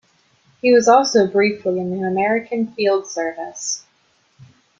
He was also briefly in the American Field Service.